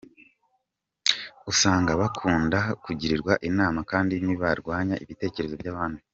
Usanga bakunda kugirwa inama kandi ntibarwanya ibitekerezo by’abandi.